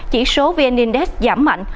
chỉ số vn index giảm mạnh